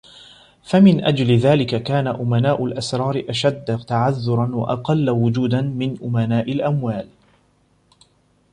فَمِنْ أَجْلِ ذَلِكَ كَانَ أُمَنَاءُ الْأَسْرَارِ أَشَدَّ تَعَذُّرًا وَأَقَلَّ وُجُودًا مِنْ أُمَنَاءِ الْأَمْوَالِ